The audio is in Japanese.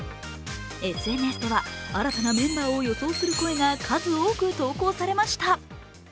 ＳＮＳでは新たなメンバーを予想する声が数多く投稿されました。